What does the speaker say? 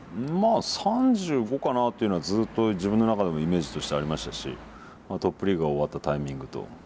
まあ３５かなっていうのはずっと自分の中でもイメージとしてありましたしトップリーグが終わったタイミングと。